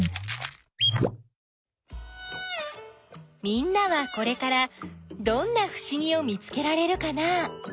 みんなはこれからどんなふしぎを見つけられるかな？